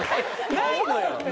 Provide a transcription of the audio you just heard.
ないのよ！